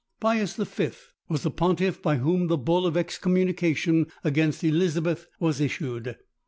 Pius V. was the pontiff by whom the bull of excommunication against Elizabeth was issued.